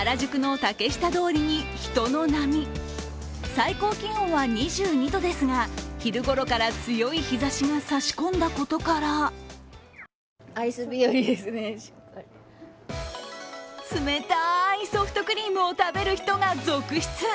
最高気温は２２度ですが、昼ごろから強い日ざしが差し込んだことから冷たーいソフトクリームを食べる人が続出。